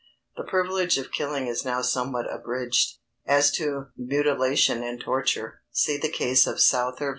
The privilege of killing is now somewhat abridged; as to mutilation and torture, see the case of Souther v.